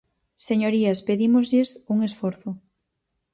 Señorías, pedímoslles un esforzo.